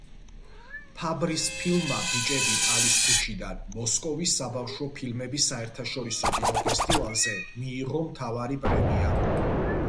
ფაბრის ფილმმა „ბიჭები პალის ქუჩიდან“ მოსკოვის საბავშვო ფილმების საერთაშორისო კინოფესტივალზე მიიღო მთავარი პრემია.